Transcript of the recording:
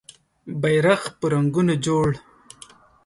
بېرغ په رنګونو جوړ